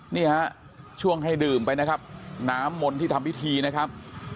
นี่ฮะช่วงให้ดื่มไปนะครับน้ำมนต์ที่ทำพิธีนะครับ